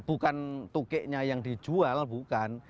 bukan tukiknya yang dijual bukan